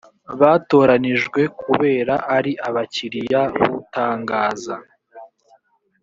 batoranijwe kuberako ari abakiriya b utangaza